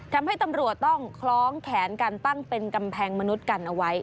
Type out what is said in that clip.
ทำให้ตำรวจต้องคล้องแขนกันตั้งเป็นกำแพงมนุษย์กันเอาไว้